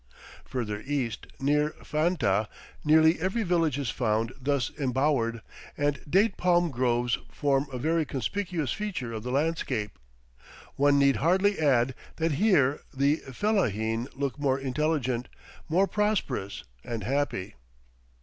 Further east, near Fantah, nearly every village is found thus embowered, and date palm groves form a very conspicuous feature of the landscape. One need hardly add that here the fellaheen look more intelligent, more prosperous and happy.